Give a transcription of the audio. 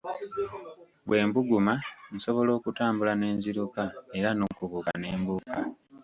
Bwe mbuguma, nsobola okutambula, ne nziruka era n'okubuuka ne mbuuka.